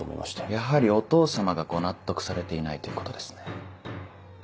やはりお父様がご納得されていないということですね。